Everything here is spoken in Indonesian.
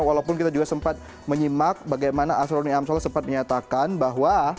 walaupun kita juga sempat menyimak bagaimana asroni amsal sempat menyatakan bahwa